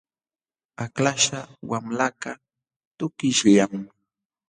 Aklaśhqa wamlakaq tukishllam.